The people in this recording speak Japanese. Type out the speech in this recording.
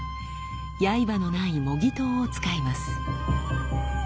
刃のない模擬刀を使います。